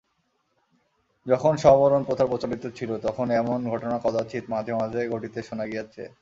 যখন সহমরণপ্রথা প্রচলিত ছিল, তখন এমন ঘটনা কদাচিৎ মাঝে মাঝে ঘটিতে শুনা গিয়াছে।